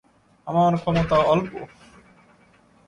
আমার ক্ষমতা অল্প।